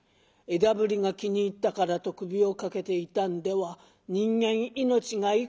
枝ぶりが気に入ったからと首をかけていたんでは人間命がいくつあっても足りませんぞ。